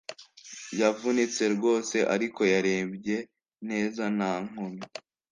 yavunitse rwose, ariko yarebye neza nta nkomyi